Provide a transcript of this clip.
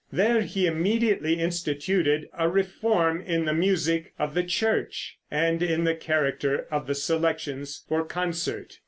There he immediately instituted a reform in the music of the church, and in the character of the selections for concert.